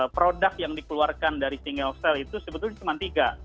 produk yang dikeluarkan dari single cell itu sebetulnya cuma tiga